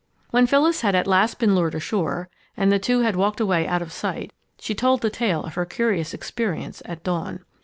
When Phyllis had at last been lured ashore and the two had walked away out of sight, she told the tale of her curious experience at dawn.